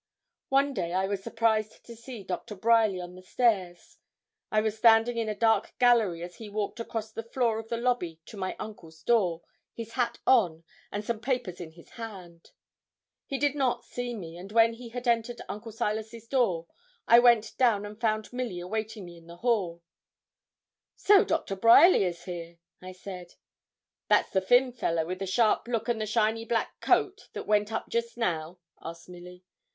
One day I was surprised to see Doctor Bryerly on the stairs. I was standing in a dark gallery as he walked across the floor of the lobby to my uncle's door, his hat on, and some papers in his hand. He did not see me; and when he had entered Uncle Silas's door, I went down and found Milly awaiting me in the hall. 'So Doctor Bryerly is here,' I said. 'That's the thin fellow, wi' the sharp look, and the shiny black coat, that went up just now?' asked Milly.